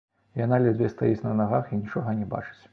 Яна ледзьве стаіць на нагах і нічога не бачыць.